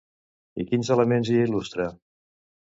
I quins elements hi il·lustra?